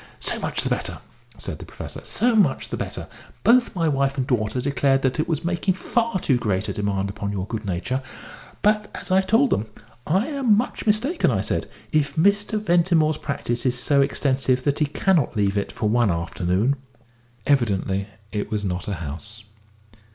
"So much the better," said the Professor; "so much the better. Both my wife and daughter declared that it was making far too great a demand upon your good nature; but, as I told them, 'I am much mistaken,' I said, 'if Mr. Ventimore's practice is so extensive that he cannot leave it for one afternoon '" Evidently it was not a house.